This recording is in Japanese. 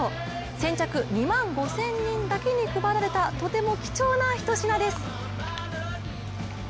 先着２万５０００人だけに配られたとても貴重なひと品です。